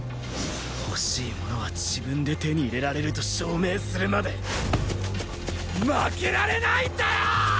欲しいものは自分で手に入れられると証明するまで負けられないんだよ！